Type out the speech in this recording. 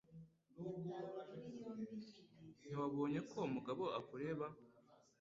Ntiwabonye ko Mugabo akureba?